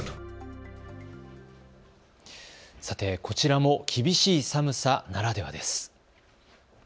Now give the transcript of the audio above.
こちらも厳しい寒さならではです。